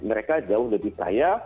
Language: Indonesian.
mereka jauh lebih kaya